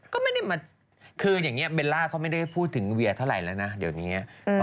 ก็ไม่ได้มาคืออย่างนี้เบลล่าเขาไม่ได้พูดถึงเวียเท่าไหร่แล้วนะเดี๋ยวนี้